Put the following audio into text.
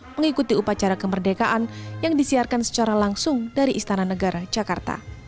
mengikuti upacara kemerdekaan yang disiarkan secara langsung dari istana negara jakarta